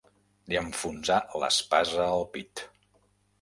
Li enfonsà l'espasa al pit.